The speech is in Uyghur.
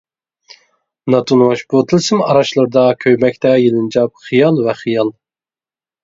ناتونۇش بۇ تىلسىم ئاراچلىرىدا كۆيمەكتە يېلىنجاپ خىيال ۋە خىيال.